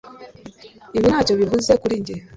ibi ntacyo bivuze kuri njye